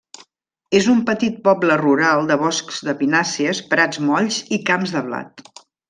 És un petit poble rural de boscs de pinàcies, prats molls i camps de blat.